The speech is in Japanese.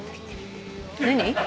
何？